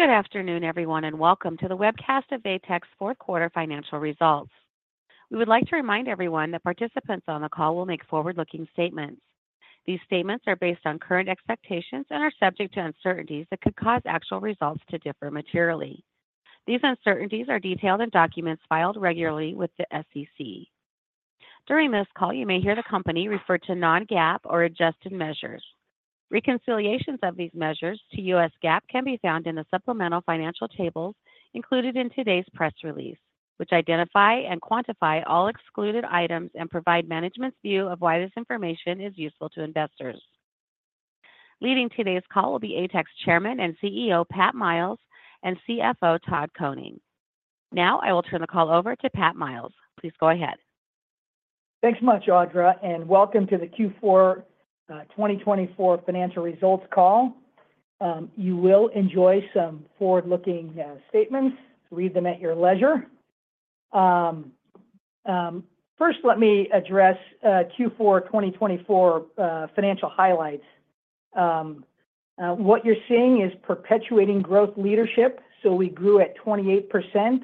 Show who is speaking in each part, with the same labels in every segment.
Speaker 1: Good afternoon, everyone, and welcome to the webcast of ATEC's fourth quarter financial results. We would like to remind everyone that participants on the call will make forward-looking statements. These statements are based on current expectations and are subject to uncertainties that could cause actual results to differ materially. These uncertainties are detailed in documents filed regularly with the SEC. During this call, you may hear the company refer to non-GAAP or adjusted measures. Reconciliations of these measures to U.S. GAAP can be found in the supplemental financial tables included in today's press release, which identify and quantify all excluded items and provide management's view of why this information is useful to investors. Leading today's call will be ATEC's Chairman and CEO, Pat Miles, and CFO, Todd Koning. Now, I will turn the call over to Pat Miles. Please go ahead.
Speaker 2: Thanks much, Audra, and welcome to the Q4 2024 financial results call. You will enjoy some forward-looking statements. Read them at your leisure. First, let me address Q4 2024 financial highlights. What you're seeing is perpetuating growth leadership. So we grew at 28%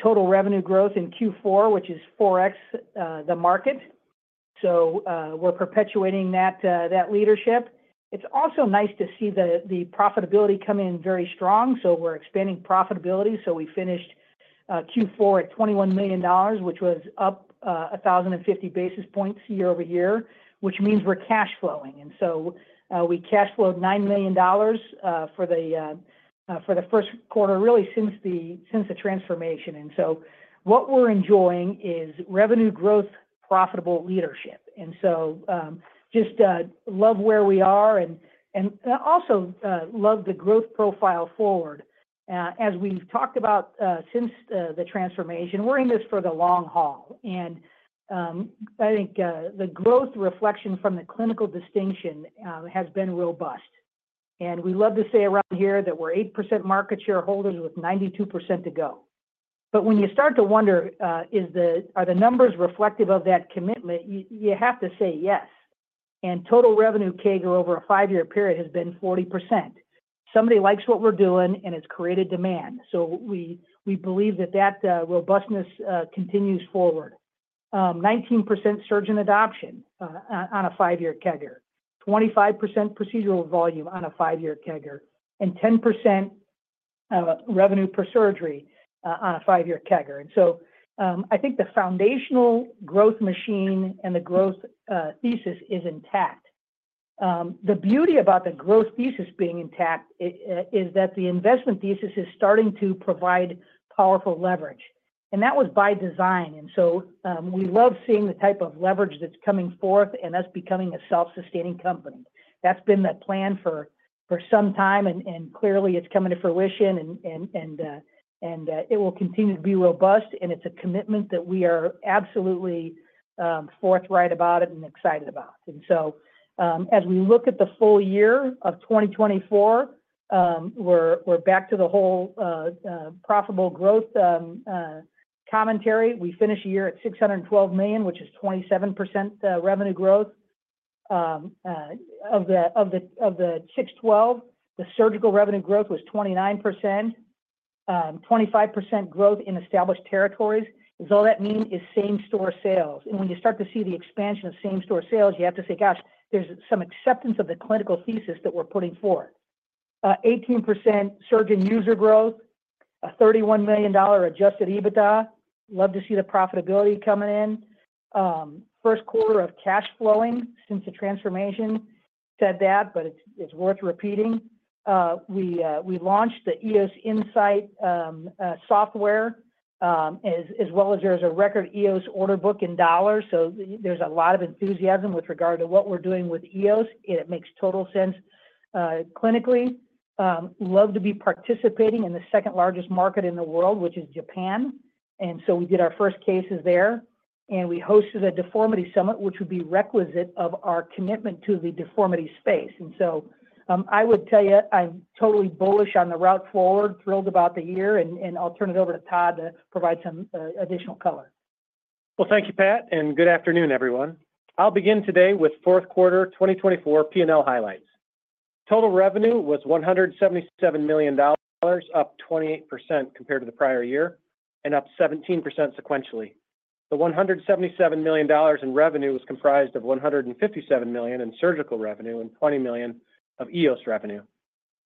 Speaker 2: total revenue growth in Q4, which is 4X the market. So we're perpetuating that leadership. It's also nice to see the profitability coming in very strong. So we're expanding profitability. So we finished Q4 at $21 million, which was up 1,050 basis points year-over-year which means we're cash flowing. And so we cash flowed $9 million for the first quarter, really since the transformation. And so what we're enjoying is revenue growth, profitable leadership. And so just love where we are and also love the growth profile forward. As we've talked about since the transformation, we're in this for the long haul. And I think the growth reflection from the clinical distinction has been robust. And we love to say around here that we're 8% market shareholders with 92% to go. But when you start to wonder, are the numbers reflective of that commitment, you have to say yes. And total revenue CAGR over a five-year period has been 40%. Somebody likes what we're doing, and it's created demand. So we believe that that robustness continues forward. 19% surge in adoption on a five-year CAGR, 25% procedural volume on a five-year CAGR, and 10% revenue per surgery on a five-year CAGR. And so I think the foundational growth machine and the growth thesis is intact. The beauty about the growth thesis being intact is that the investment thesis is starting to provide powerful leverage. And that was by design. And so we love seeing the type of leverage that's coming forth, and that's becoming a self-sustaining company. That's been the plan for some time, and clearly it's coming to fruition, and it will continue to be robust. And it's a commitment that we are absolutely forthright about it and excited about. And so as we look at the full year of 2024, we're back to the whole profitable growth commentary. We finished the year at $612 million, which is 27% revenue growth of the 612. The surgical revenue growth was 29%. 25% growth in established territories. Does all that mean is same-store sales? And when you start to see the expansion of same-store sales, you have to say, gosh, there's some acceptance of the clinical thesis that we're putting forth. 18% surge in user growth, a $31 million adjusted EBITDA. Love to see the profitability coming in. First quarter of cash flowing since the transformation. Said that, but it's worth repeating. We launched the EOS Insight software as well as there's a record EOS order book in dollars. So there's a lot of enthusiasm with regard to what we're doing with EOS, and it makes total sense clinically. Love to be participating in the second largest market in the world, which is Japan. And so we did our first cases there, and we hosted a deformity summit, which would be requisite of our commitment to the deformity space. And so I would tell you, I'm totally bullish on the route forward, thrilled about the year, and I'll turn it over to Todd to provide some additional color.
Speaker 3: Thank you, Pat, and good afternoon, everyone. I'll begin today with fourth quarter 2024 P&L highlights. Total revenue was $177 million, up 28% compared to the prior year, and up 17% sequentially. The $177 million in revenue was comprised of $157 million in surgical revenue and $20 million of EOS revenue.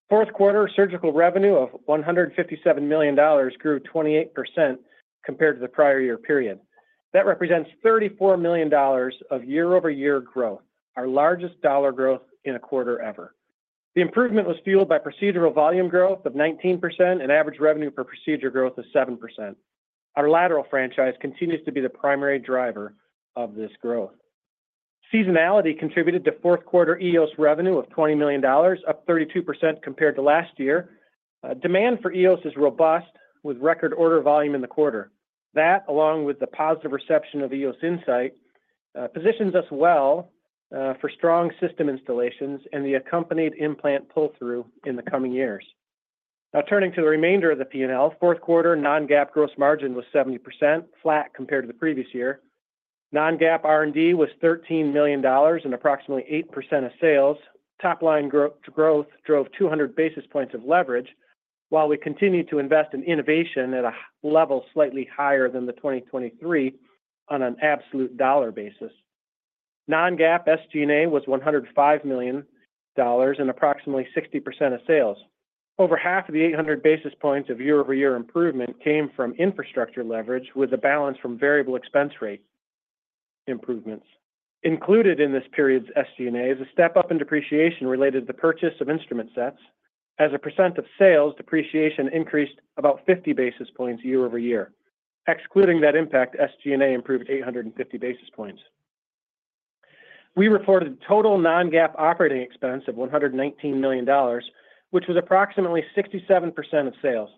Speaker 3: Fourth quarter surgical revenue of $157 million grew 28% compared to the prior year period. That represents $34 million of year-over-year growth, our largest dollar growth in a quarter ever. The improvement was fueled by procedural volume growth of 19%, and average revenue per procedure growth is 7%. Our lateral franchise continues to be the primary driver of this growth. Seasonality contributed to fourth quarter EOS revenue of $20 million, up 32% compared to last year. Demand for EOS is robust with record order volume in the quarter. That, along with the positive reception of EOS Insight, positions us well for strong system installations and the accompanied implant pull-through in the coming years. Now, turning to the remainder of the P&L, fourth quarter non-GAAP gross margin was 70%, flat compared to the previous year. Non-GAAP R&D was $13 million and approximately 8% of sales. Top-line growth drove 200 basis points of leverage, while we continued to invest in innovation at a level slightly higher than the 2023 on an absolute dollar basis. Non-GAAP SG&A was $105 million and approximately 60% of sales. Over half of the 800 basis points of year-over-year improvement came from infrastructure leverage with a balance from variable expense rate improvements. Included in this period's SG&A is a step up in depreciation related to the purchase of instrument sets. As a percent of sales, depreciation increased about 50 basis points year over year. Excluding that impact, SG&A improved 850 basis points. We reported total non-GAAP operating expense of $119 million, which was approximately 67% of sales.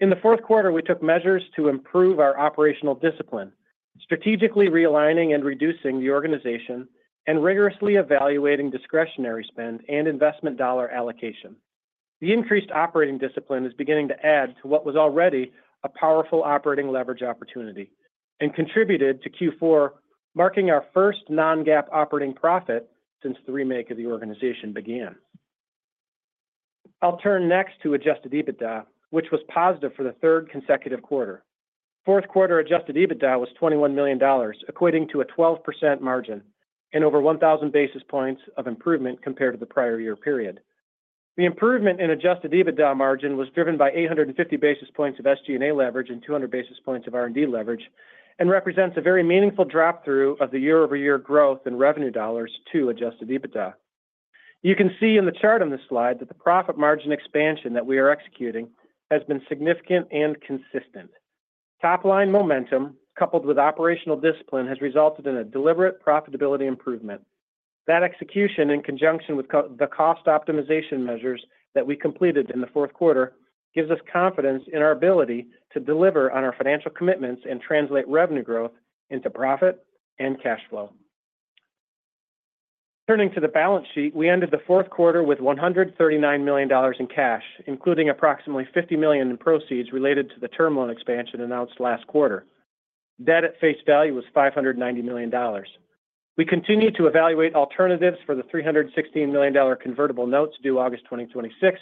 Speaker 3: In the fourth quarter, we took measures to improve our operational discipline, strategically realigning and reducing the organization, and rigorously evaluating discretionary spend and investment dollar allocation. The increased operating discipline is beginning to add to what was already a powerful operating leverage opportunity and contributed to Q4 marking our first non-GAAP operating profit since the remake of the organization began. I'll turn next to Adjusted EBITDA, which was positive for the third consecutive quarter. Fourth quarter Adjusted EBITDA was $21 million, equating to a 12% margin and over 1,000 basis points of improvement compared to the prior year period. The improvement in Adjusted EBITDA margin was driven by 850 basis points of SG&A leverage and 200 basis points of R&D leverage and represents a very meaningful drop-through of the year-over-year growth in revenue dollars to Adjusted EBITDA. You can see in the chart on this slide that the profit margin expansion that we are executing has been significant and consistent. Top-line momentum coupled with operational discipline has resulted in a deliberate profitability improvement. That execution, in conjunction with the cost optimization measures that we completed in the fourth quarter, gives us confidence in our ability to deliver on our financial commitments and translate revenue growth into profit and cash flow. Turning to the balance sheet, we ended the fourth quarter with $139 million in cash, including approximately $50 million in proceeds related to the term loan expansion announced last quarter. Debt at face value was $590 million. We continue to evaluate alternatives for the $316 million convertible notes due August 2026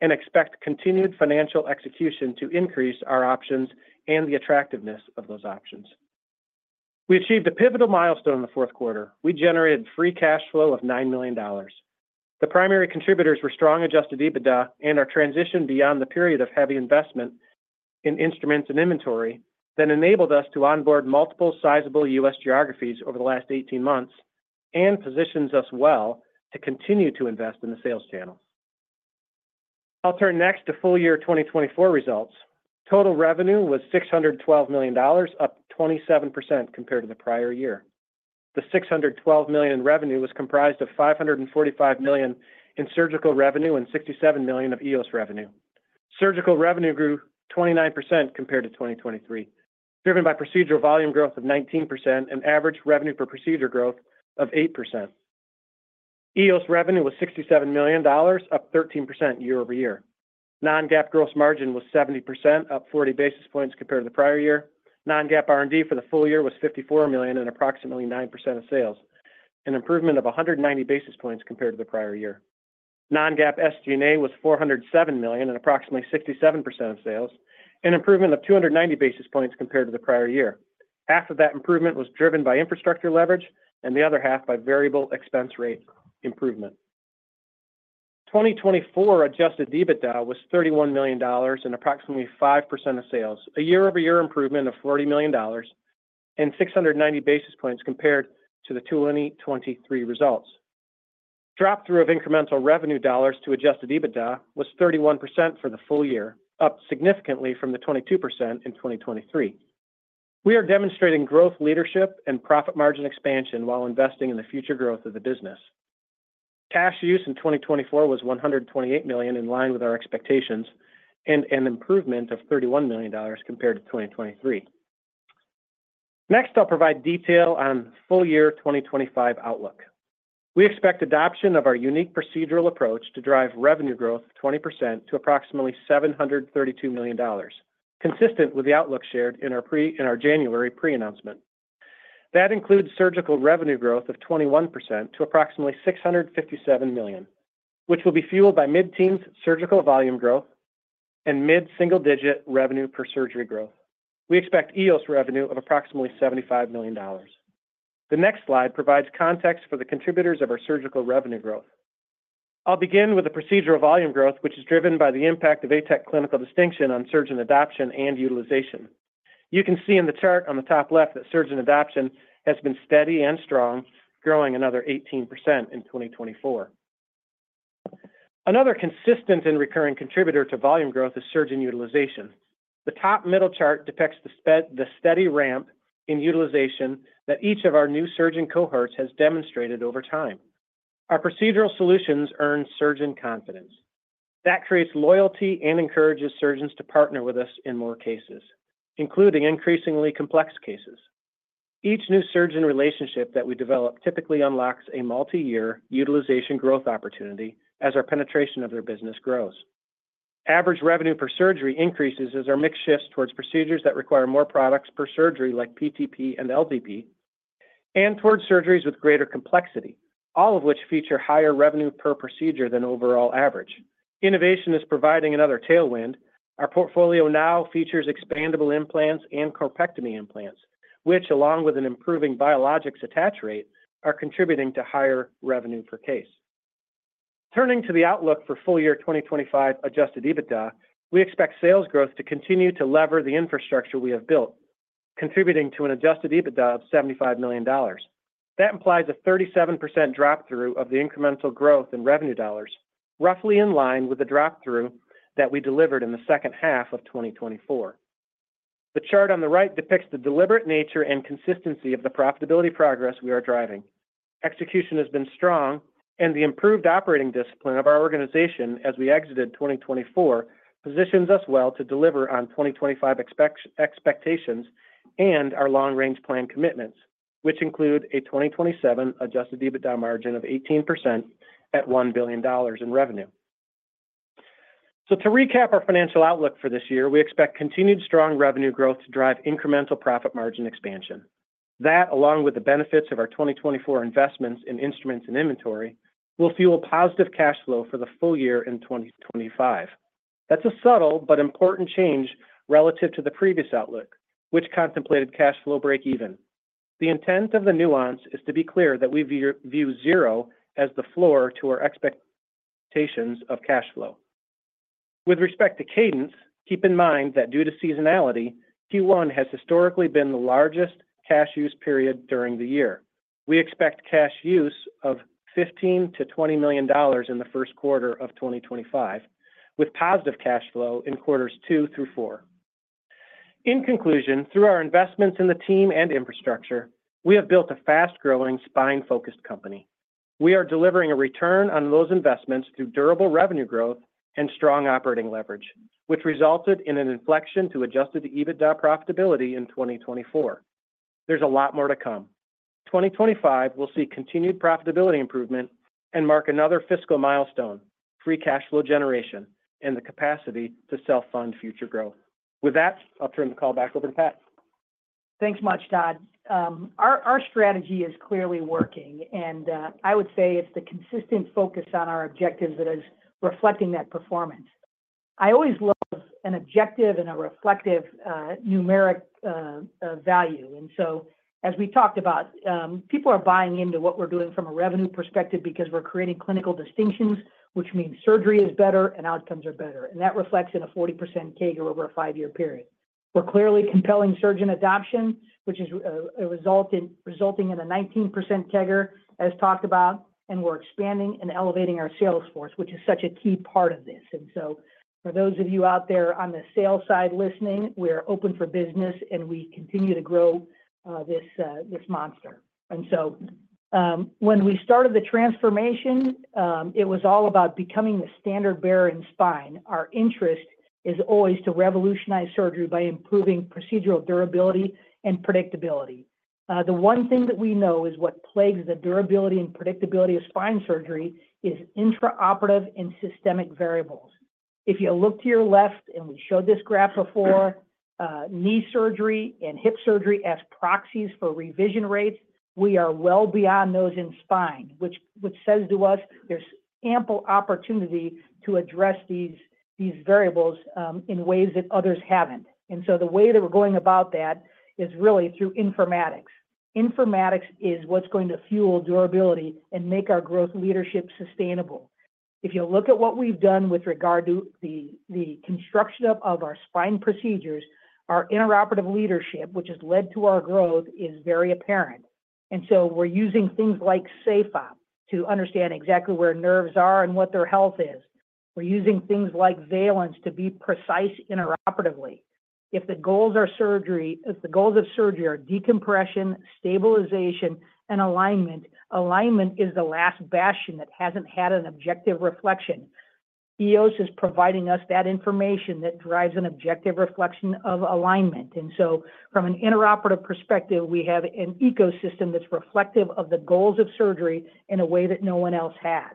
Speaker 3: and expect continued financial execution to increase our options and the attractiveness of those options. We achieved a pivotal milestone in the fourth quarter. We generated Free Cash Flow of $9 million. The primary contributors were strong Adjusted EBITDA and our transition beyond the period of heavy investment in instruments and inventory that enabled us to onboard multiple sizable U.S. geographies over the last 18 months and positions us well to continue to invest in the sales channels. I'll turn next to full year 2024 results. Total revenue was $612 million, up 27% compared to the prior year. The $612 million in revenue was comprised of $545 million in surgical revenue and $67 million of EOS revenue. Surgical revenue grew 29% compared to 2023, driven by procedural volume growth of 19% and average revenue per procedure growth of 8%. EOS revenue was $67 million, up 13% year over year. Non-GAAP gross margin was 70%, up 40 basis points compared to the prior year. Non-GAAP R&D for the full year was $54 million and approximately 9% of sales, an improvement of 190 basis points compared to the prior year. Non-GAAP SG&A was $407 million and approximately 67% of sales, an improvement of 290 basis points compared to the prior year. Half of that improvement was driven by infrastructure leverage and the other half by variable expense rate improvement. 2024 Adjusted EBITDA was $31 million and approximately 5% of sales, a year-over-year improvement of $40 million and 690 basis points compared to the 2023 results. Drop-through of incremental revenue dollars to Adjusted EBITDA was 31% for the full year, up significantly from the 22% in 2023. We are demonstrating growth leadership and profit margin expansion while investing in the future growth of the business. Cash use in 2024 was $128 million, in line with our expectations, and an improvement of $31 million compared to 2023. Next, I'll provide detail on full year 2025 outlook. We expect adoption of our unique procedural approach to drive revenue growth of 20% to approximately $732 million, consistent with the outlook shared in our January pre-announcement. That includes surgical revenue growth of 21% to approximately $657 million, which will be fueled by mid-teens surgical volume growth and mid-single-digit revenue per surgery growth. We expect EOS revenue of approximately $75 million. The next slide provides context for the contributors of our surgical revenue growth. I'll begin with the procedural volume growth, which is driven by the impact of ATEC clinical distinction on surgeon adoption and utilization. You can see in the chart on the top left that surgeon adoption has been steady and strong, growing another 18% in 2024. Another consistent and recurring contributor to volume growth is surgeon utilization. The top middle chart depicts the steady ramp in utilization that each of our new surgeon cohorts has demonstrated over time. Our procedural solutions earn surgeon confidence. That creates loyalty and encourages surgeons to partner with us in more cases, including increasingly complex cases. Each new surgeon relationship that we develop typically unlocks a multi-year utilization growth opportunity as our penetration of their business grows. Average revenue per surgery increases as our mix shifts towards procedures that require more products per surgery, like PTP and LTP, and towards surgeries with greater complexity, all of which feature higher revenue per procedure than overall average. Innovation is providing another tailwind. Our portfolio now features expandable implants and corpectomy implants, which, along with an improving biologics attach rate, are contributing to higher revenue per case. Turning to the outlook for full year 2025 Adjusted EBITDA, we expect sales growth to continue to lever the infrastructure we have built, contributing to an Adjusted EBITDA of $75 million. That implies a 37% drop-through of the incremental growth in revenue dollars, roughly in line with the drop-through that we delivered in the second half of 2024. The chart on the right depicts the deliberate nature and consistency of the profitability progress we are driving. Execution has been strong, and the improved operating discipline of our organization as we exited 2024 positions us well to deliver on 2025 expectations and our long-range plan commitments, which include a 2027 Adjusted EBITDA margin of 18% at $1 billion in revenue. So to recap our financial outlook for this year, we expect continued strong revenue growth to drive incremental profit margin expansion. That, along with the benefits of our 2024 investments in instruments and inventory, will fuel positive cash flow for the full year in 2025. That's a subtle but important change relative to the previous outlook, which contemplated cash flow break-even. The intent of the nuance is to be clear that we view zero as the floor to our expectations of cash flow. With respect to cadence, keep in mind that due to seasonality, Q1 has historically been the largest cash use period during the year. We expect cash use of $15-$20 million in the first quarter of 2025, with positive cash flow in quarters two through four. In conclusion, through our investments in the team and infrastructure, we have built a fast-growing, spine-focused company. We are delivering a return on those investments through durable revenue growth and strong operating leverage, which resulted in an inflection to Adjusted EBITDA profitability in 2024. There's a lot more to come. 2025 will see continued profitability improvement and mark another fiscal milestone, Free Cash Flow generation and the capacity to self-fund future growth. With that, I'll turn the call back over to Pat.
Speaker 2: Thanks much, Todd. Our strategy is clearly working, and I would say it's the consistent focus on our objectives that is reflecting that performance. I always love an objective and a reflective numeric value. And so, as we talked about, people are buying into what we're doing from a revenue perspective because we're creating clinical distinctions, which means surgery is better and outcomes are better. And that reflects in a 40% CAGR over a five-year period. We're clearly compelling surgeon adoption, which is resulting in a 19% CAGR, as talked about, and we're expanding and elevating our sales force, which is such a key part of this. And so, for those of you out there on the sales side listening, we're open for business, and we continue to grow this monster. And so, when we started the transformation, it was all about becoming the standard bearer in spine. Our interest is always to revolutionize surgery by improving procedural durability and predictability. The one thing that we know is what plagues the durability and predictability of spine surgery is intraoperative and systemic variables. If you look to your left, and we showed this graph before, knee surgery and hip surgery as proxies for revision rates, we are well beyond those in spine, which says to us there's ample opportunity to address these variables in ways that others haven't, and so the way that we're going about that is really through informatics. Informatics is what's going to fuel durability and make our growth leadership sustainable. If you look at what we've done with regard to the construction of our spine procedures, our intraoperative leadership, which has led to our growth, is very apparent. And so, we're using things like SafeOp to understand exactly where nerves are and what their health is. We're using things like Balance to be precise intraoperatively. If the goals of surgery are decompression, stabilization, and alignment, alignment is the last bastion that hasn't had an objective reflection. EOS is providing us that information that drives an objective reflection of alignment. And so, from an intraoperative perspective, we have an ecosystem that's reflective of the goals of surgery in a way that no one else has.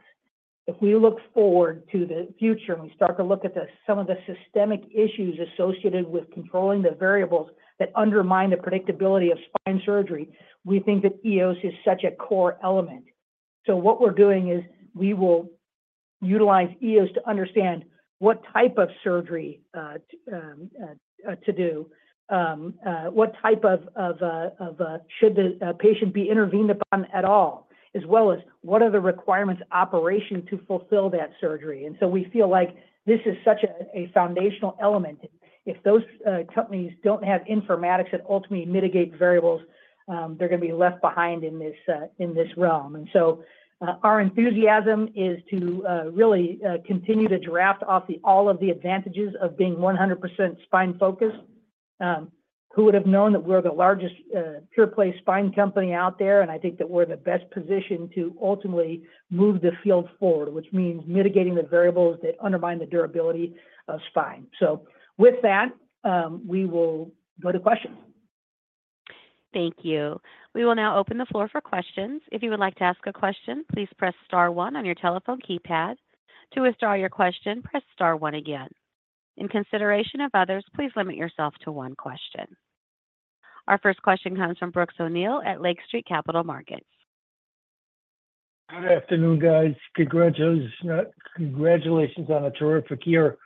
Speaker 2: If we look forward to the future and we start to look at some of the systemic issues associated with controlling the variables that undermine the predictability of spine surgery, we think that EOS is such a core element. So what we're doing is we will utilize EOS to understand what type of surgery to do, whether the patient should be intervened upon at all, as well as what are the operational requirements to fulfill that surgery. And so, we feel like this is such a foundational element. If those companies don't have informatics that ultimately mitigate variables, they're going to be left behind in this realm. And so, our enthusiasm is to really continue to draft off all of the advantages of being 100% spine-focused. Who would have known that we're the largest pure-play spine company out there? And I think that we're in the best position to ultimately move the field forward, which means mitigating the variables that undermine the durability of spine. So with that, we will go to questions.
Speaker 1: Thank you. We will now open the floor for questions. If you would like to ask a question, please press star one on your telephone keypad. To withdraw your question, press star one again. In consideration of others, please limit yourself to one question. Our first question comes from Brooks O'Neil at Lake Street Capital Markets.
Speaker 4: Good afternoon, guys. Congratulations on a terrific year.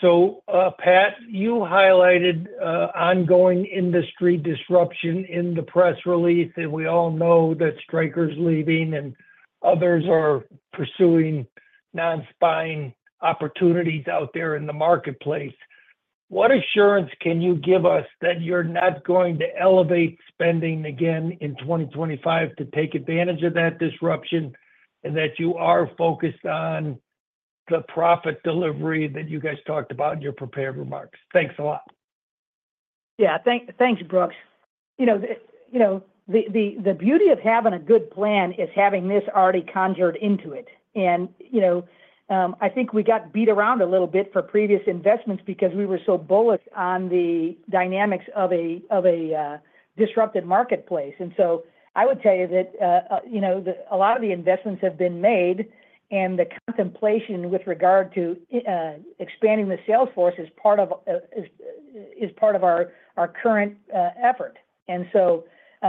Speaker 4: So Pat, you highlighted ongoing industry disruption in the press release, and we all know that Stryker's leaving and others are pursuing non-spine opportunities out there in the marketplace. What assurance can you give us that you're not going to elevate spending again in 2025 to take advantage of that disruption and that you are focused on the profit delivery that you guys talked about in your prepared remarks? Thanks a lot.
Speaker 2: Yeah, thanks, Brooks. You know, the beauty of having a good plan is having this already conjured into it. And I think we got beat around a little bit for previous investments because we were so bullish on the dynamics of a disrupted marketplace. And so, I would tell you that a lot of the investments have been made, and the contemplation with regard to expanding the sales force is part of our current effort. And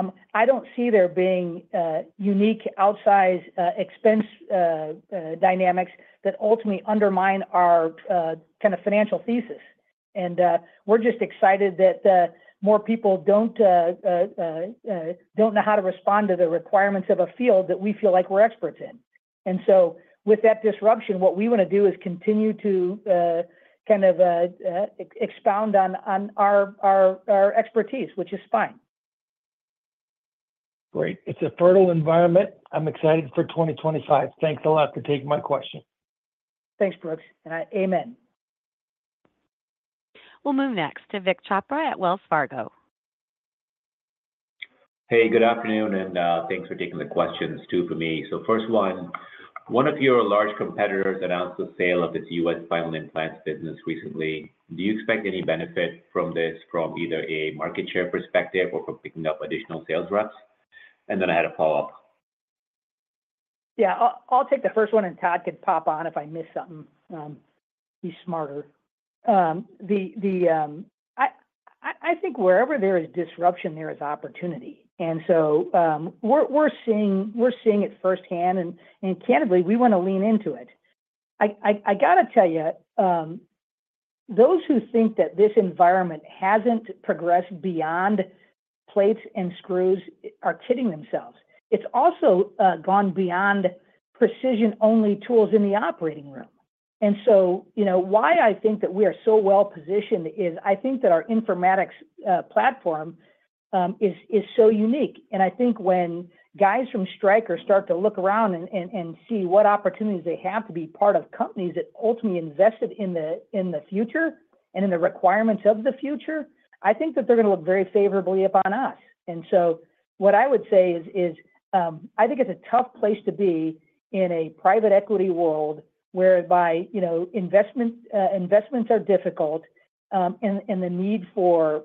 Speaker 2: so, I don't see there being unique outsize expense dynamics that ultimately undermine our kind of financial thesis. And we're just excited that more people don't know how to respond to the requirements of a field that we feel like we're experts in. And so, with that disruption, what we want to do is continue to kind of expound on our expertise, which is fine.
Speaker 4: Great. It's a fertile environment. I'm excited for 2025. Thanks a lot for taking my question.
Speaker 2: Thanks, Brooks. Amen.
Speaker 1: We'll move next to Vik Chopra at Wells Fargo.
Speaker 5: Hey, good afternoon, and thanks for taking the questions too for me. So first one, one of your large competitors announced the sale of its U.S. spinal implants business recently. Do you expect any benefit from this from either a market share perspective or from picking up additional sales reps? And then I had a follow-up.
Speaker 2: Yeah, I'll take the first one, and Todd can pop on if I miss something. He's smarter. I think wherever there is disruption, there is opportunity. And so, we're seeing it firsthand, and candidly, we want to lean into it. I got to tell you, those who think that this environment hasn't progressed beyond plates and screws are kidding themselves. It's also gone beyond precision-only tools in the operating room. And so, why I think that we are so well positioned is I think that our informatics platform is so unique. And I think when guys from Stryker start to look around and see what opportunities they have to be part of companies that ultimately invested in the future and in the requirements of the future, I think that they're going to look very favorably upon us. What I would say is I think it's a tough place to be in a private equity world whereby investments are difficult and the need for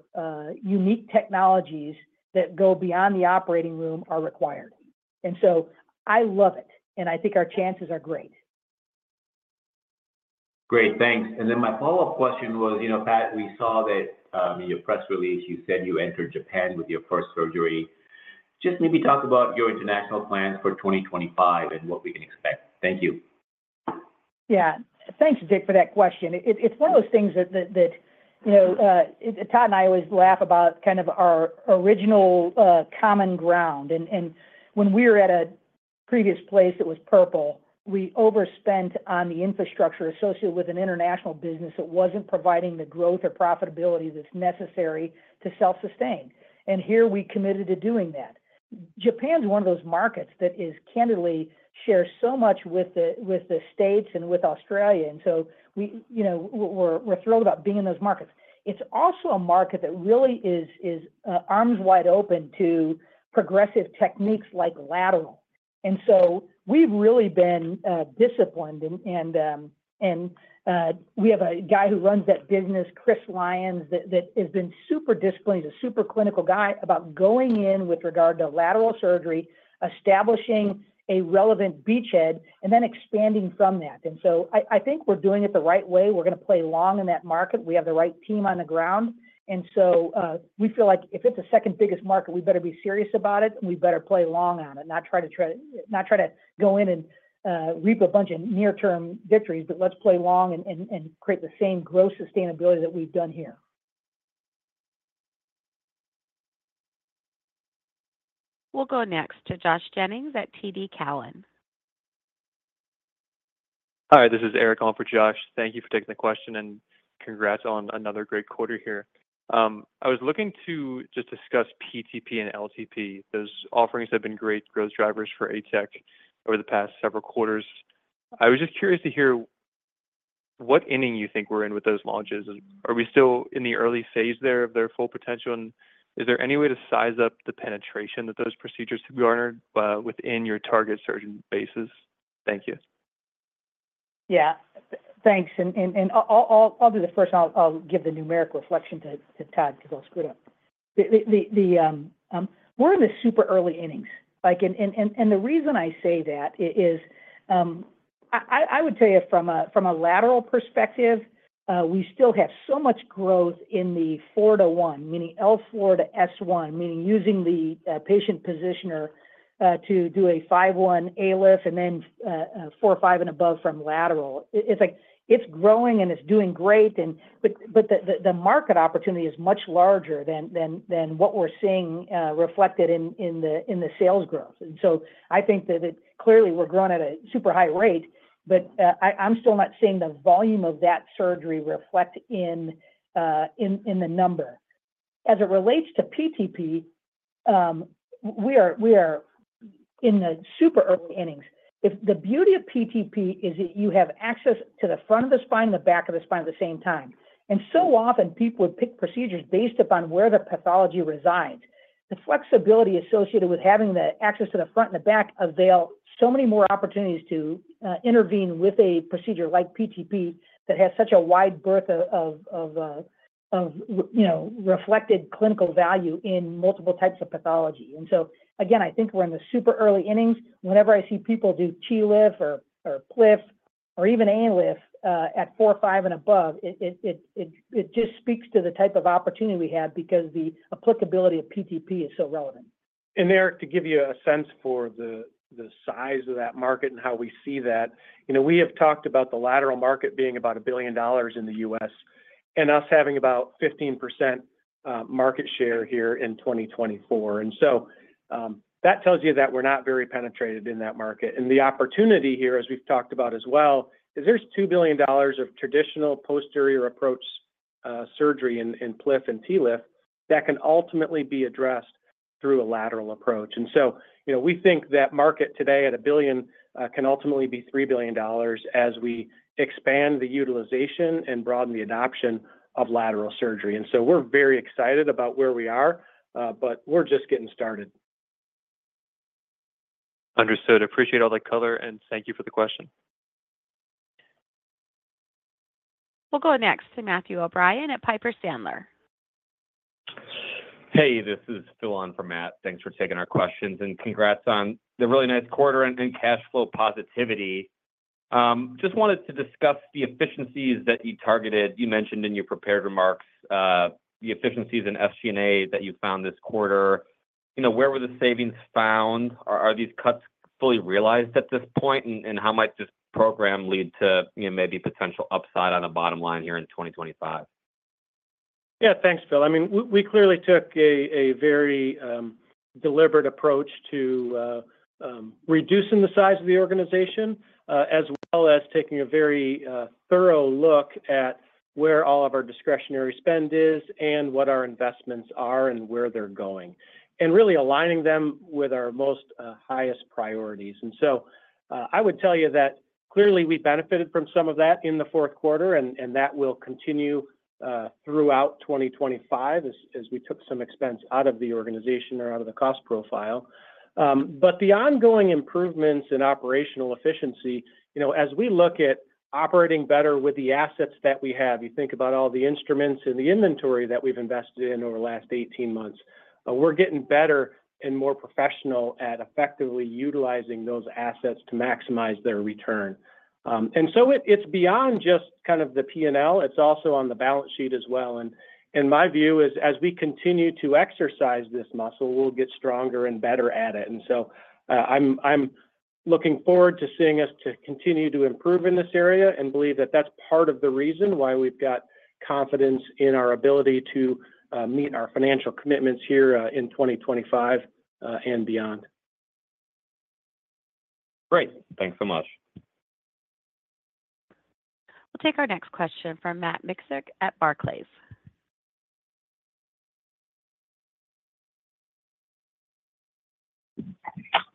Speaker 2: unique technologies that go beyond the operating room are required. I love it, and I think our chances are great.
Speaker 5: Great, thanks. And then my follow-up question was, you know, Pat, we saw that in your press release, you said you entered Japan with your first surgery. Just maybe talk about your international plans for 2025 and what we can expect? Thank you.
Speaker 2: Yeah, thanks, Vic, for that question. It's one of those things that Todd and I always laugh about kind of our original common ground. And when we were at a previous place that was purple, we overspent on the infrastructure associated with an international business that wasn't providing the growth or profitability that's necessary to self-sustain. And here, we committed to doing that. Japan's one of those markets that, candidly, shares so much with the States and with Australia. And so, we're thrilled about being in those markets. It's also a market that really is arms wide open to progressive techniques like lateral. And so, we've really been disciplined, and we have a guy who runs that business, Chris Lyons, that has been super disciplined. He's a super clinical guy about going in with regard to lateral surgery, establishing a relevant beachhead, and then expanding from that. And so, I think we're doing it the right way. We're going to play long in that market. We have the right team on the ground. And so, we feel like if it's the second biggest market, we better be serious about it, and we better play long on it, not try to go in and reap a bunch of near-term victories, but let's play long and create the same growth sustainability that we've done here.
Speaker 1: We'll go next to Josh Jennings at TD Cowen.
Speaker 6: Hi, this is Eric. I'm for Josh. Thank you for taking the question and congrats on another great quarter here. I was looking to just discuss PTP and LTP. Those offerings have been great growth drivers for ATEC over the past several quarters. I was just curious to hear what inning you think we're in with those launches. Are we still in the early phase there of their full potential? And is there any way to size up the penetration that those procedures have garnered within your target surgeon bases? Thank you.
Speaker 2: Yeah, thanks. And I'll do the first. I'll give the numeric reflection to Todd because I'll screw it up. We're in the super early innings. And the reason I say that is I would tell you from a lateral perspective, we still have so much growth in the 4 to S1, meaning L4 to S1, meaning using the patient positioner to do a 5-1 ALIF and then 4-5 and above from lateral. It's growing and it's doing great, but the market opportunity is much larger than what we're seeing reflected in the sales growth. And so, I think that clearly we're growing at a super high rate, but I'm still not seeing the volume of that surgery reflect in the number. As it relates to PTP, we are in the super early innings. The beauty of PTP is that you have access to the front of the spine and the back of the spine at the same time, and so often, people would pick procedures based upon where the pathology resides. The flexibility associated with having the access to the front and the back available to so many more opportunities to intervene with a procedure like PTP that has such a wide breadth of reflected clinical value in multiple types of pathology, and so again, I think we're in the super early innings. Whenever I see people do TLIF or PLIF or even ALIF at L4-5 and above, it just speaks to the type of opportunity we have because the applicability of PTP is so relevant.
Speaker 3: Eric, to give you a sense for the size of that market and how we see that, we have talked about the lateral market being about $1 billion in the U.S. and us having about 15% market share here in 2024. And so, that tells you that we're not very penetrated in that market. And the opportunity here, as we've talked about as well, is there's $2 billion of traditional posterior approach surgery in PLIF and TLIF that can ultimately be addressed through a lateral approach. And so, we think that market today at $1 billion can ultimately be $3 billion as we expand the utilization and broaden the adoption of lateral surgery. And so, we're very excited about where we are, but we're just getting started. Understood. Appreciate all the color and thank you for the question.
Speaker 1: We'll go next to Matthew O'Brien at Piper Sandler.
Speaker 7: Hey, this is Phil on from Matt. Thanks for taking our questions and congrats on the really nice quarter and cash flow positivity. Just wanted to discuss the efficiencies that you targeted. You mentioned in your prepared remarks the efficiencies in SG&A that you found this quarter. Where were the savings found? Are these cuts fully realized at this point? And how might this program lead to maybe potential upside on the bottom line here in 2025?
Speaker 3: Yeah, thanks, Phil. I mean, we clearly took a very deliberate approach to reducing the size of the organization as well as taking a very thorough look at where all of our discretionary spend is and what our investments are and where they're going and really aligning them with our most highest priorities, and so I would tell you that clearly we benefited from some of that in the fourth quarter, and that will continue throughout 2025 as we took some expense out of the organization or out of the cost profile, but the ongoing improvements in operational efficiency, as we look at operating better with the assets that we have, you think about all the instruments and the inventory that we've invested in over the last 18 months, we're getting better and more professional at effectively utilizing those assets to maximize their return. And so, it's beyond just kind of the P&L. It's also on the balance sheet as well. And my view is as we continue to exercise this muscle, we'll get stronger and better at it. And so, I'm looking forward to seeing us to continue to improve in this area and believe that that's part of the reason why we've got confidence in our ability to meet our financial commitments here in 2025 and beyond.
Speaker 7: Great. Thanks so much.
Speaker 1: We'll take our next question from Matt Miksic at Barclays.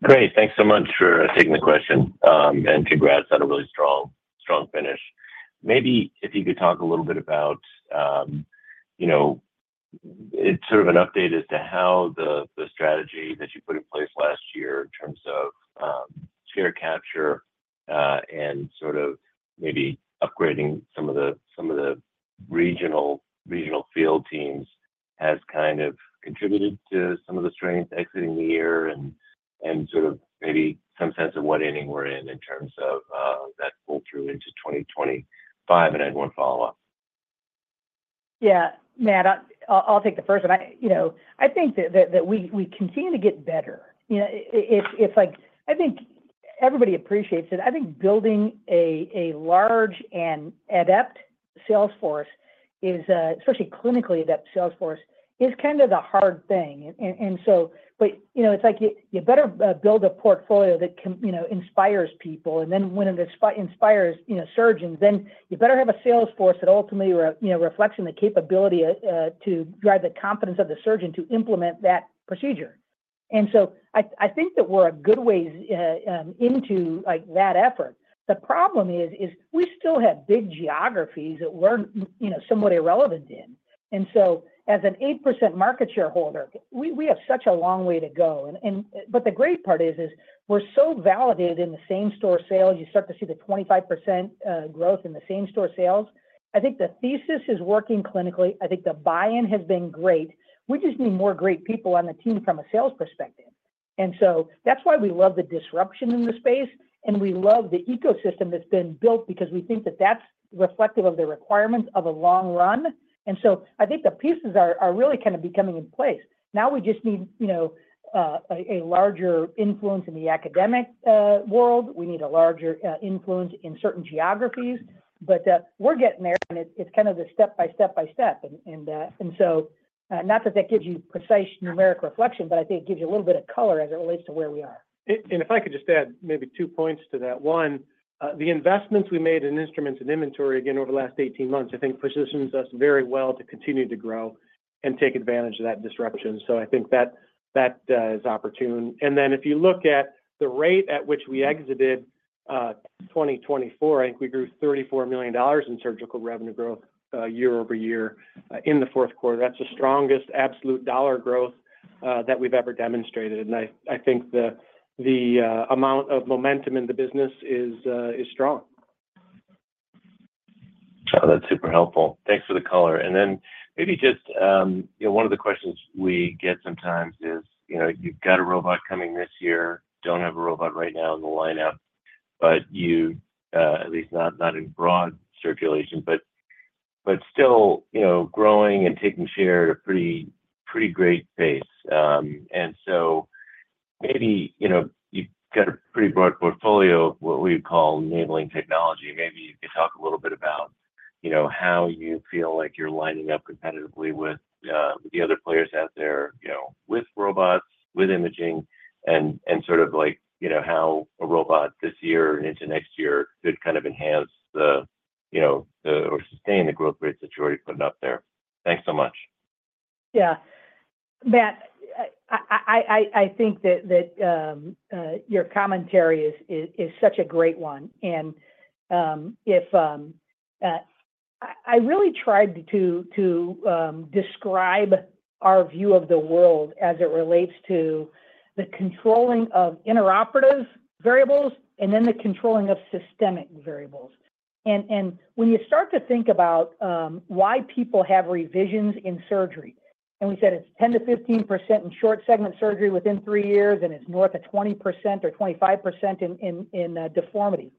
Speaker 8: Great. Thanks so much for taking the question and congrats on a really strong finish. Maybe if you could talk a little bit about sort of an update as to how the strategy that you put in place last year in terms of share capture and sort of maybe upgrading some of the regional field teams has kind of contributed to some of the strength exiting the year and sort of maybe some sense of what ending we're in in terms of that pull through into 2025 and then more follow-up.
Speaker 2: Yeah, Matt, I'll take the first one. I think that we continue to get better. I think everybody appreciates it. I think building a large and adept sales force, especially clinically adept sales force, is kind of the hard thing. And so, but it's like you better build a portfolio that inspires people. And then when it inspires surgeons, then you better have a sales force that ultimately reflects the capability to drive the confidence of the surgeon to implement that procedure. And so, I think that we're a good way into that effort. The problem is we still have big geographies that we're somewhat irrelevant in. And so, as an 8% market shareholder, we have such a long way to go. But the great part is we're so validated in the same store sales. You start to see the 25% growth in the same store sales. I think the thesis is working clinically. I think the buy-in has been great. We just need more great people on the team from a sales perspective. And so, that's why we love the disruption in the space, and we love the ecosystem that's been built because we think that that's reflective of the requirements of a long run. And so, I think the pieces are really kind of becoming in place. Now we just need a larger influence in the academic world. We need a larger influence in certain geographies, but we're getting there, and it's kind of the step by step by step. And so, not that that gives you precise numeric reflection, but I think it gives you a little bit of color as it relates to where we are.
Speaker 3: And if I could just add maybe two points to that. One, the investments we made in instruments and inventory again over the last 18 months, I think positions us very well to continue to grow and take advantage of that disruption. So I think that is opportune. And then if you look at the rate at which we exited 2024, I think we grew $34 million in surgical revenue growth year over year in the fourth quarter. That's the strongest absolute dollar growth that we've ever demonstrated. And I think the amount of momentum in the business is strong.
Speaker 8: Oh, that's super helpful. Thanks for the color. And then maybe just one of the questions we get sometimes is you've got a robot coming this year, don't have a robot right now in the lineup, but you at least not in broad circulation, but still growing and taking share at a pretty great pace. And so, maybe you've got a pretty broad portfolio of what we call enabling technology. Maybe you could talk a little bit about how you feel like you're lining up competitively with the other players out there with robots, with imaging, and sort of how a robot this year and into next year could kind of enhance or sustain the growth rates that you're already putting up there. Thanks so much.
Speaker 2: Yeah. Matt, I think that your commentary is such a great one, and I really tried to describe our view of the world as it relates to the controlling of intraoperative variables and then the controlling of systemic variables, and when you start to think about why people have revisions in surgery, and we said it's 10%-15% in short segment surgery within three years, and it's north of 20% or 25% in deformity.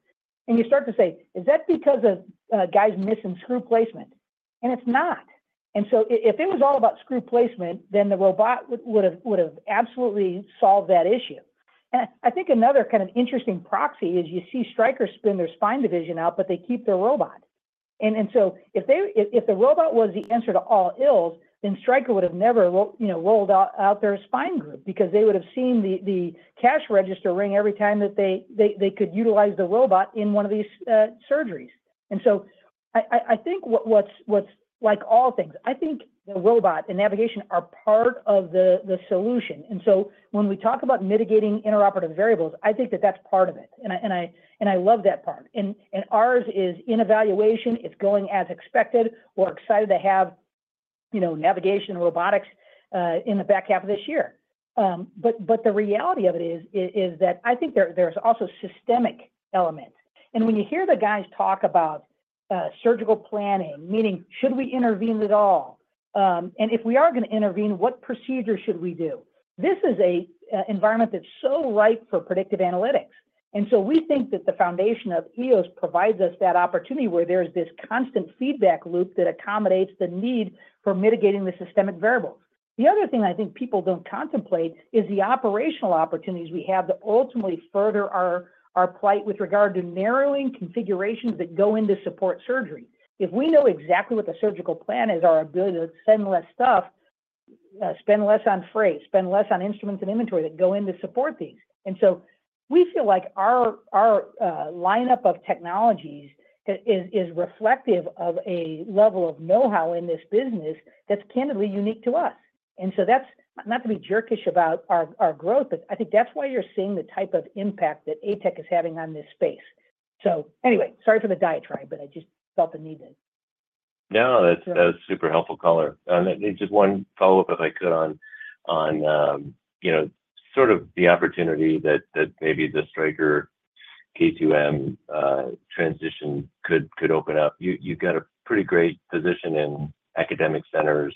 Speaker 2: And you start to say, is that because of guys missing screw placement? And it's not. And so, if it was all about screw placement, then the robot would have absolutely solved that issue. And I think another kind of interesting proxy is you see Stryker spin their spine division out, but they keep their robot. And so, if the robot was the answer to all ills, then Stryker would have never rolled out their spine group because they would have seen the cash register ring every time that they could utilize the robot in one of these surgeries. And so, I think what's, like, all things, I think the robot and navigation are part of the solution. And so, when we talk about mitigating intraoperative variables, I think that that's part of it. And I love that part. And ours is in evaluation. It's going as expected. We're excited to have navigation and robotics in the back half of this year. But the reality of it is that I think there's also systemic elements. And when you hear the guys talk about surgical planning, meaning should we intervene at all? And if we are going to intervene, what procedure should we do? This is an environment that's so ripe for predictive analytics. And so, we think that the foundation of EOS provides us that opportunity where there's this constant feedback loop that accommodates the need for mitigating the systemic variables. The other thing I think people don't contemplate is the operational opportunities we have to ultimately further our plight with regard to narrowing configurations that go into support surgery. If we know exactly what the surgical plan is, our ability to send less stuff, spend less on freight, spend less on instruments and inventory that go in to support these. And so, we feel like our lineup of technologies is reflective of a level of know-how in this business that's candidly unique to us. And so, that's not to be jerkish about our growth, but I think that's why you're seeing the type of impact that ATEC is having on this space. So anyway, sorry for the diatribe, but I just felt the need to.
Speaker 8: No, that was super helpful color. And just one follow-up if I could on sort of the opportunity that maybe the Stryker K2M transition could open up. You've got a pretty great position in academic centers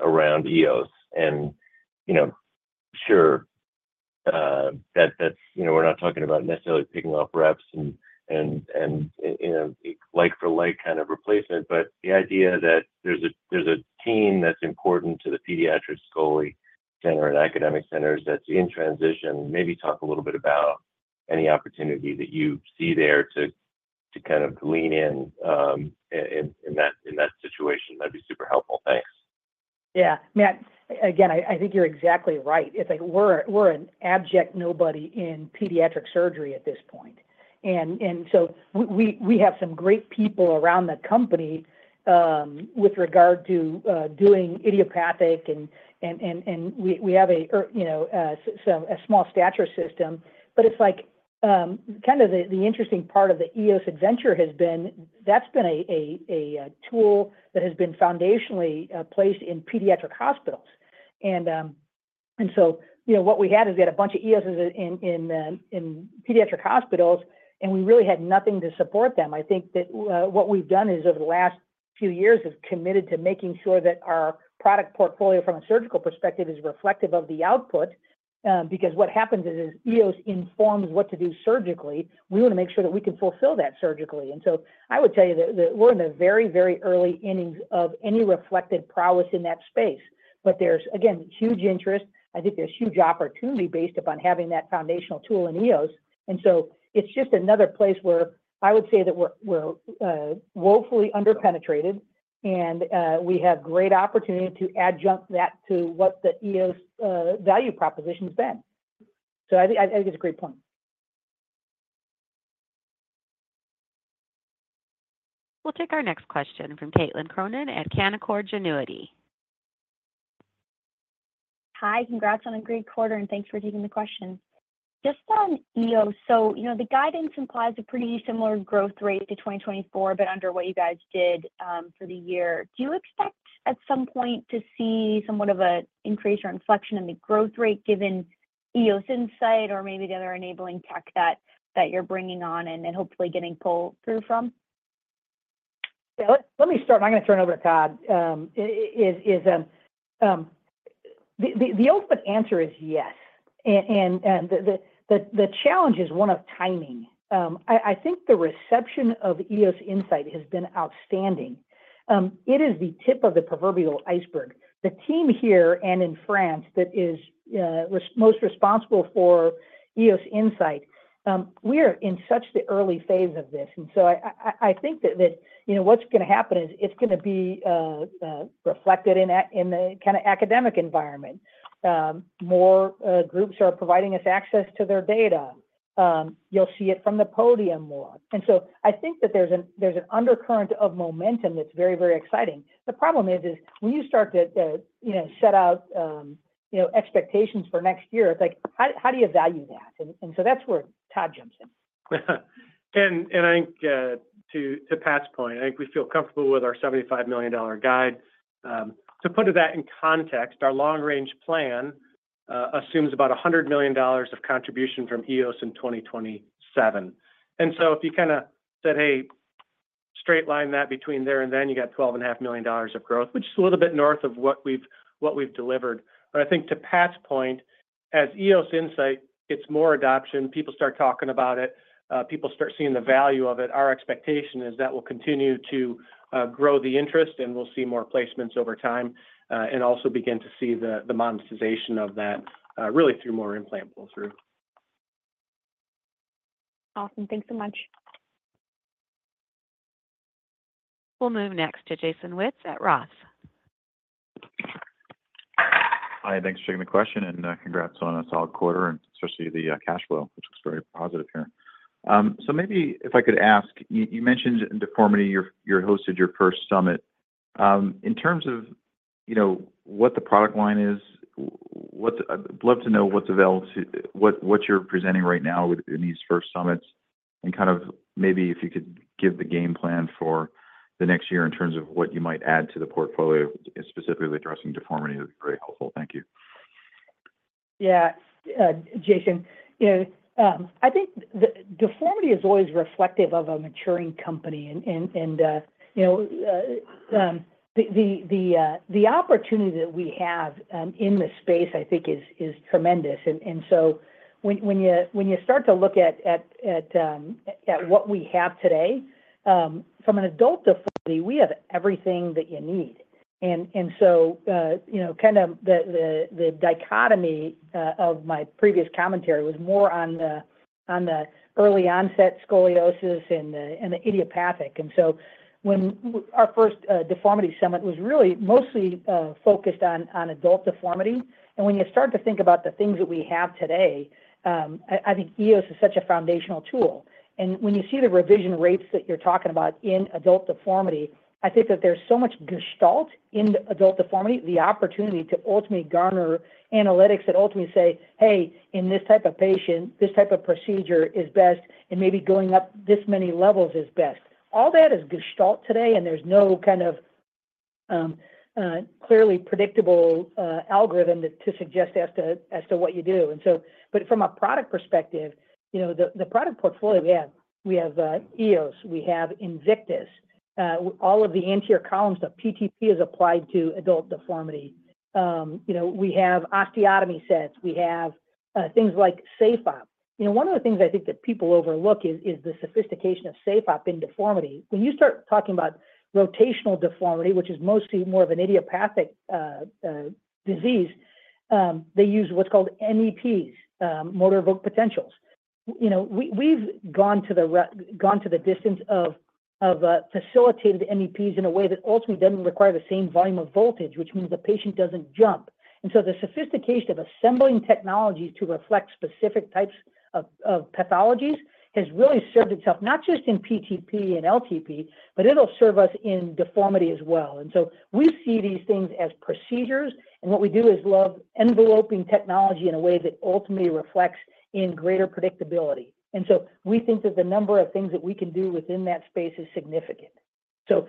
Speaker 8: around EOS. And sure, we're not talking about necessarily picking off reps and like-for-like kind of replacement, but the idea that there's a team that's important to the pediatric scoliosis center and academic centers that's in transition, maybe talk a little bit about any opportunity that you see there to kind of lean in in that situation. That'd be super helpful. Thanks.
Speaker 2: Yeah. Matt, again, I think you're exactly right. It's like we're an abject nobody in pediatric surgery at this point, and so we have some great people around the company with regard to doing idiopathic, and we have a small stature system, but it's like kind of the interesting part of the EOS adventure has been that's been a tool that has been foundationally placed in pediatric hospitals, and so what we had is we had a bunch of EOSes in pediatric hospitals, and we really had nothing to support them. I think that what we've done is over the last few years has committed to making sure that our product portfolio from a surgical perspective is reflective of the output because what happens is EOS informs what to do surgically. We want to make sure that we can fulfill that surgically. And so, I would tell you that we're in the very, very early innings of any reflected prowess in that space. But there's, again, huge interest. I think there's huge opportunity based upon having that foundational tool in EOS. And so, it's just another place where I would say that we're woefully underpenetrated, and we have great opportunity to adjust that to what the EOS value proposition has been. So I think it's a great point.
Speaker 1: We'll take our next question from Caitlin Cronin at Canaccord Genuity.
Speaker 6: Hi, congrats on a great quarter, and thanks for taking the question. Just on EOS, so the guidance implies a pretty similar growth rate to 2024, but under what you guys did for the year. Do you expect at some point to see somewhat of an increase or inflection in the growth rate given EOS Insight or maybe the other enabling tech that you're bringing on and hopefully getting pull through from?
Speaker 2: Let me start. I'm going to turn it over to Todd. The ultimate answer is yes. And the challenge is one of timing. I think the reception of EOS Insight has been outstanding. It is the tip of the proverbial iceberg. The team here and in France that is most responsible for EOS Insight, we are in such the early phase of this. And so, I think that what's going to happen is it's going to be reflected in the kind of academic environment. More groups are providing us access to their data. You'll see it from the podium more. And so, I think that there's an undercurrent of momentum that's very, very exciting. The problem is when you start to set out expectations for next year, it's like how do you value that? And so, that's where Todd jumps in.
Speaker 3: I think to Pat's point, I think we feel comfortable with our $75 million guide. To put that in context, our long-range plan assumes about $100 million of contribution from EOS in 2027. And so, if you kind of said, "Hey, straight line that between there and then," you got $12.5 million of growth, which is a little bit north of what we've delivered. But I think to Pat's point, as EOS Insight gets more adoption, people start talking about it. People start seeing the value of it. Our expectation is that will continue to grow the interest, and we'll see more placements over time and also begin to see the monetization of that really through more implant pull-through.
Speaker 9: Awesome. Thanks so much.
Speaker 1: We'll move next to Jason Wittes at Roth.
Speaker 10: Hi. Thanks for taking the question. And congrats on a solid quarter, and especially the cash flow, which looks very positive here. So maybe if I could ask, you mentioned in deformity you hosted your first summit. In terms of what the product line is, I'd love to know what's available, what you're presenting right now with these first summits, and kind of maybe if you could give the game plan for the next year in terms of what you might add to the portfolio specifically addressing deformity. That'd be very helpful. Thank you.
Speaker 2: Yeah, Jason. I think deformity is always reflective of a maturing company. And the opportunity that we have in the space, I think, is tremendous. And so, when you start to look at what we have today, from an adult deformity, we have everything that you need. And so, kind of the dichotomy of my previous commentary was more on the early onset scoliosis and the idiopathic. And so, when our first deformity summit was really mostly focused on adult deformity, and when you start to think about the things that we have today, I think EOS is such a foundational tool. When you see the revision rates that you're talking about in adult deformity, I think that there's so much gestalt in adult deformity, the opportunity to ultimately garner analytics that ultimately say, "Hey, in this type of patient, this type of procedure is best," and maybe going up this many levels is best. All that is gestalt today, and there's no kind of clearly predictable algorithm to suggest as to what you do. So, but from a product perspective, the product portfolio we have, we have EOS. We have Invictus. All of the anterior columns of PTP is applied to adult deformity. We have osteotomy sets. We have things like SafeOp. One of the things I think that people overlook is the sophistication of SafeOp in deformity. When you start talking about rotational deformity, which is mostly more of an idiopathic disease, they use what's called MEPs, motor evoked potentials. We've gone to the distance of facilitated MEPs in a way that ultimately doesn't require the same volume of voltage, which means the patient doesn't jump. And so, the sophistication of assembling technologies to reflect specific types of pathologies has really served itself not just in PTP and LTP, but it'll serve us in deformity as well. And so, we see these things as procedures. And what we do is love enveloping technology in a way that ultimately reflects in greater predictability. And so, we think that the number of things that we can do within that space is significant. So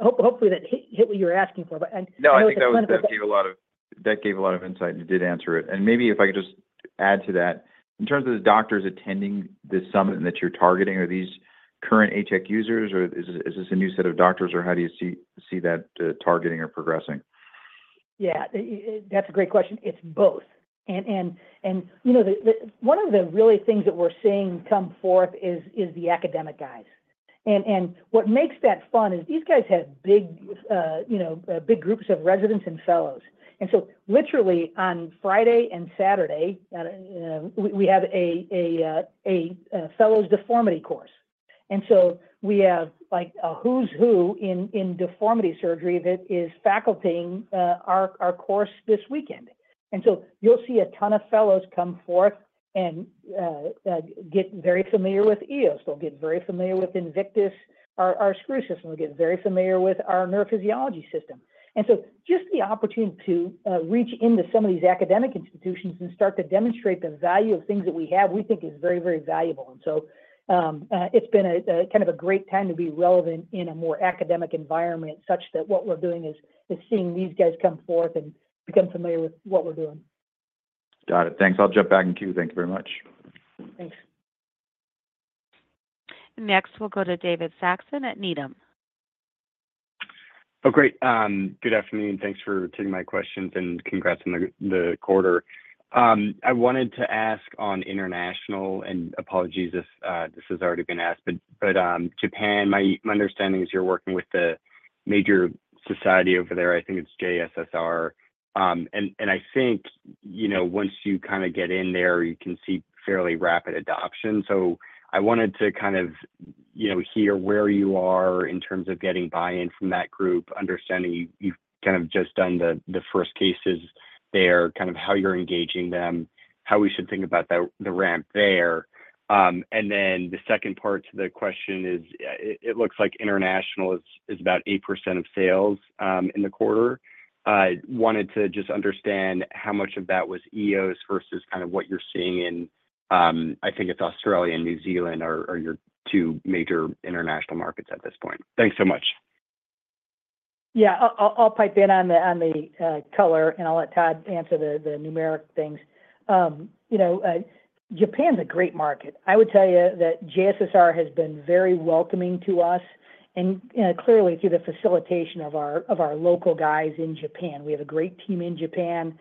Speaker 2: hopefully that hit what you're asking for.
Speaker 10: No, I think that gave a lot of insight and did answer it. And maybe if I could just add to that, in terms of the doctors attending this summit that you're targeting, are these current ATEC users, or is this a new set of doctors, or how do you see that targeting or progressing?
Speaker 2: Yeah, that's a great question. It's both, and one of the real things that we're seeing come forth is the academic guys. What makes that fun is these guys have big groups of residents and fellows, so literally on Friday and Saturday, we have a fellows deformity course. We have a who's who in deformity surgery that is facultying our course this weekend, so you'll see a ton of fellows come forth and get very familiar with EOS. They'll get very familiar with Invictus, our screw system. They'll get very familiar with our neurophysiology system. Just the opportunity to reach into some of these academic institutions and start to demonstrate the value of things that we have, we think is very, very valuable. It's been kind of a great time to be relevant in a more academic environment such that what we're doing is seeing these guys come forth and become familiar with what we're doing.
Speaker 10: Got it. Thanks. I'll jump back in queue. Thank you very much.
Speaker 2: Thanks.
Speaker 1: Next, we'll go to David Saxon at Needham.
Speaker 11: Oh, great. Good afternoon. Thanks for taking my questions and congrats on the quarter. I wanted to ask on international, and apologies if this has already been asked, but Japan, my understanding is you're working with the major society over there. I think it's JSSR. And I think once you kind of get in there, you can see fairly rapid adoption. So I wanted to kind of hear where you are in terms of getting buy-in from that group, understanding you've kind of just done the first cases there, kind of how you're engaging them, how we should think about the ramp there. And then the second part to the question is it looks like international is about eight% of sales in the quarter. Wanted to just understand how much of that was EOS versus kind of what you're seeing in. I think it's Australia and New Zealand are your two major international markets at this point. Thanks so much.
Speaker 2: Yeah, I'll pipe in on the color, and I'll let Todd answer the numeric things. Japan's a great market. I would tell you that JSSR has been very welcoming to us, and clearly through the facilitation of our local guys in Japan. We have a great team in Japan.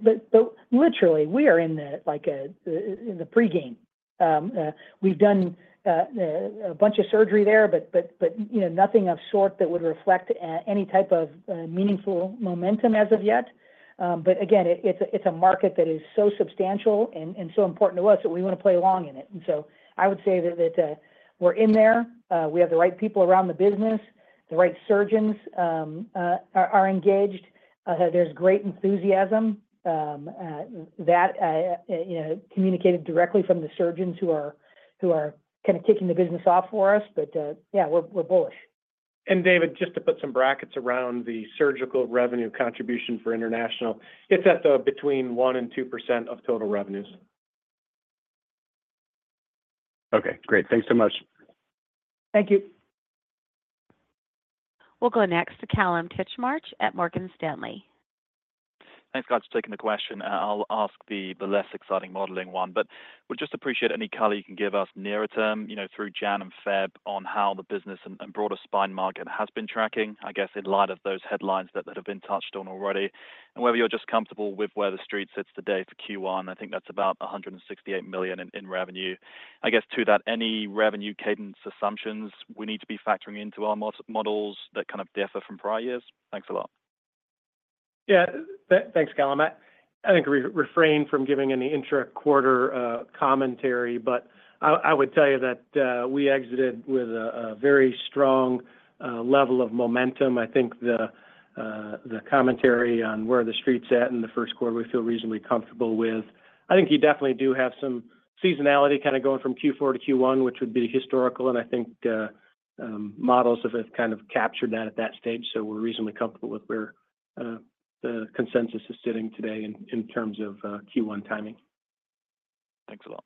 Speaker 2: But literally, we are in the pregame. We've done a bunch of surgery there, but nothing of the sort that would reflect any type of meaningful momentum as of yet. But again, it's a market that is so substantial and so important to us that we want to play along in it. And so, I would say that we're in there. We have the right people around the business. The right surgeons are engaged. There's great enthusiasm that is communicated directly from the surgeons who are kind of kicking the business off for us. But yeah, we're bullish.
Speaker 3: David, just to put some brackets around the surgical revenue contribution for international, it's at between 1%-2% of total revenues.
Speaker 11: Okay. Great. Thanks so much.
Speaker 2: Thank you.
Speaker 1: We'll go next to Callum Titchmarsh at Morgan Stanley.
Speaker 12: Thanks, Todd, for taking the question. I'll ask the less exciting modeling one, but we'd just appreciate any color you can give us nearer term through January and February on how the business and broader spine market has been tracking, I guess, in light of those headlines that have been touched on already, and whether you're just comfortable with where the Street sits today for Q1, I think that's about $168 million in revenue. I guess to that, any revenue cadence assumptions we need to be factoring into our models that kind of differ from prior years? Thanks a lot.
Speaker 3: Yeah, thanks, Callum. I think I'll refrain from giving any intra-quarter commentary, but I would tell you that we exited with a very strong level of momentum. I think the commentary on where the Street's at in the first quarter, we feel reasonably comfortable with. I think you definitely do have some seasonality kind of going from Q4 to Q1, which would be historical, and I think models have kind of captured that at that stage, so we're reasonably comfortable with where the consensus is sitting today in terms of Q1 timing.
Speaker 12: Thanks a lot.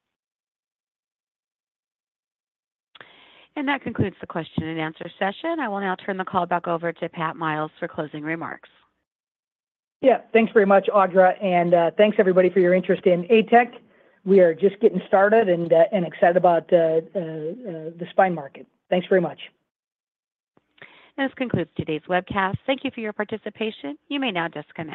Speaker 1: That concludes the question and answer session. I will now turn the call back over to Pat Miles for closing remarks.
Speaker 2: Yeah, thanks very much, Audra. And thanks, everybody, for your interest in ATEC. We are just getting started and excited about the spine market. Thanks very much.
Speaker 1: This concludes today's webcast. Thank you for your participation. You may now just connect.